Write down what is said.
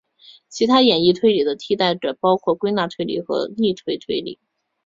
其他演绎推理的替代者包括归纳推理和逆推推理。